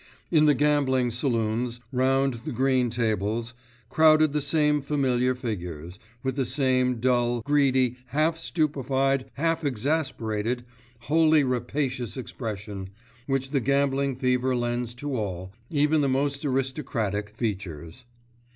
In the gambling saloons, round the green tables, crowded the same familiar figures, with the same dull, greedy, half stupefied, half exasperated, wholly rapacious expression, which the gambling fever lends to all, even the most aristocratic, features.